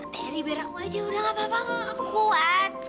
teri biar aku aja udah nggak apa apa aku kuat